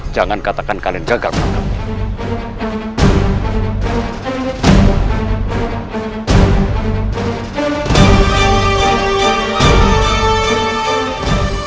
jangan katakan kalian gagal menangkapnya